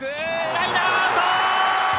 ライナー、アウト！